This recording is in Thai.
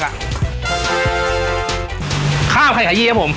ค่าอักขยะขยี